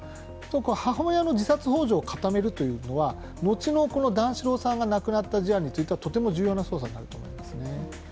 母親の自殺ほう助を固めるというのは段四郎さんが亡くなった事案について、とても重要な捜査になると思います。